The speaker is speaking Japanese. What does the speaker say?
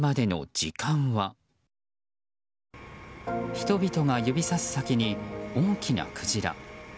人々が指さす先に大きなクジラ。